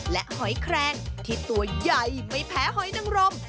และหอยแครงที่ตัวใหญ่ไม่แพ้หอยนังรม